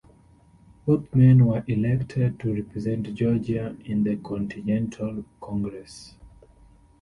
Both men were elected to represent Georgia in the Continental Congress.